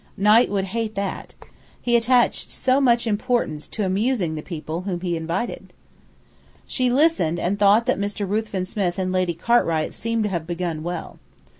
Knight would hate that. He attached so much importance to amusing the people whom he invited! She listened and thought that Mr. Ruthven Smith and Lady Cartwright seemed to have begun well.